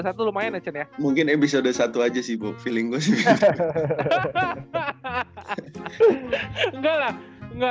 satu lumayan accon ya mungkin episode satu aja sih bu feeling gue sih enggak lah enggak